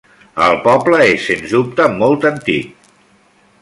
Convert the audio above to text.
El poble és sens dubte molt antic.